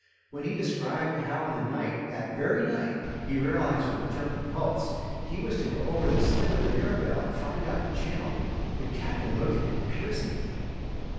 When he described how in the night that very night, he realized with a jumping pulse he was to go over the side of the Mirabelle and find out the channel, the Captain looked at him piercingly.